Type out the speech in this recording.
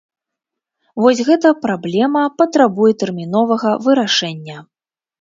Вось гэта праблема патрабуе тэрміновага вырашэння.